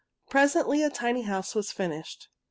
Presently a tiny house was finished.